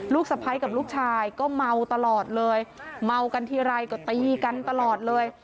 สะพ้ายกับลูกชายก็เมาตลอดเลยเมากันทีไรก็ตีกันตลอดเลย